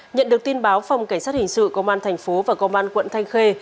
nhận được tin báo phòng cảnh sát hình sự công an tp và công an quận thanh khê